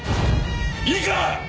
いいか！